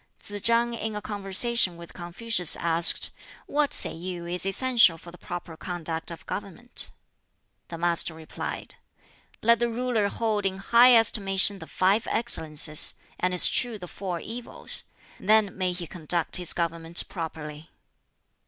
Tsz chang in a conversation with Confucius asked, "What say you is essential for the proper conduct of government?" The Master replied, "Let the ruler hold in high estimation the five excellences, and eschew the four evils; then may he conduct his government properly."